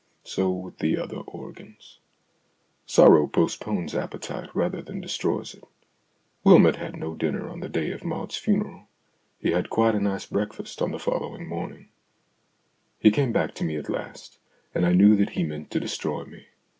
So with the other organs. Sorrow postpones appetite rather than destroys it. Wylmot had no dinner on the day of Maud's funeral ; he had quite a nice breakfast on the following morning. THE AUTOBIOGRAPHY OF AN IDEA 55 He came back to me at last, and I knew that he meant to destroy me.